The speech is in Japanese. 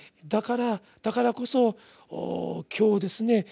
だからだからこそ今日ですね